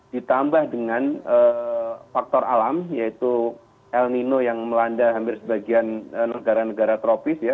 ditambah dengan faktor alam yaitu el nino yang melanda hampir sebagian negara negara tropis ya